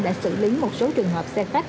đã xử lý một số trường hợp xe khách